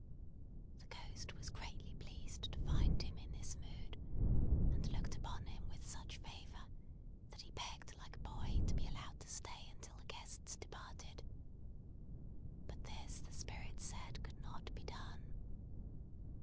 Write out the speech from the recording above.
The Ghost was greatly pleased to find him in this mood, and looked upon him with such favour, that he begged like a boy to be allowed to stay until the guests departed. But this the Spirit said could not be done.